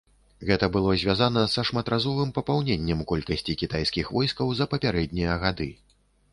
Гэта было звязана са шматразовым папаўненнем колькасці кітайскіх войскаў за папярэднія гады.